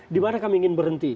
di mana kami ingin berhenti